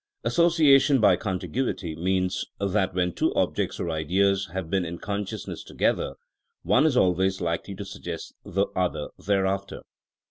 Association by Contiguity means that when two objects or ideas have been iil con sciousness together, one is always likely to Sug gest the other thereafter.